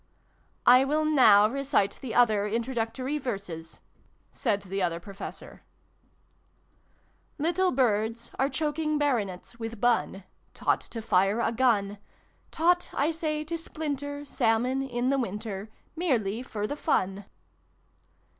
" I will now recite the other Introductory Verses," said the Other Professor. XXIll] THE PIG TALE. 377 Little Birds are choking Baronets with him, Taught to fire a gun : TaugJit, I say, to splinter Salmon in the zvinter Merely for the fun.